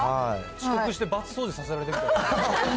遅刻して罰掃除させられてるみたい。